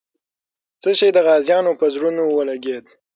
څه شی د غازیانو په زړونو ولګېد؟